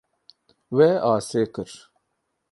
We asê kir.